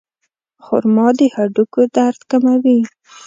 خرما د هډوکو درد کموي.